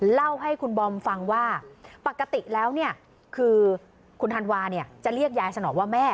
เล่าให้คุณบอมฟังว่าปกติแล้วเนี่ยคือคุณธันวาเนี่ยจะเรียกยายสนองว่าแม่